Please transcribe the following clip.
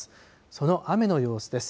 その雨の様子です。